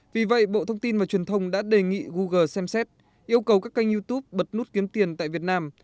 vì vậy bộ thông tin và truyền thông đã đề nghị google xem xét yêu cầu các kênh youtube bật nút kiếm kiếm tiền tại việt nam